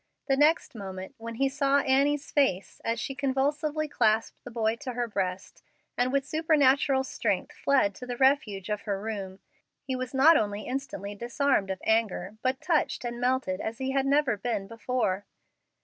The next moment, when he saw Annie's face as she convulsively clasped the boy to her breast, and with supernatural strength fled to the refuge of her room, he was not only instantly disarmed of anger, but touched and melted as he had never been before.